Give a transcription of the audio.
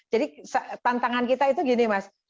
jadi tantangan kita itu gini mas